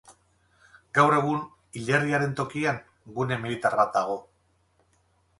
Gaur egun, hilerriaren tokian gune militar bat dago.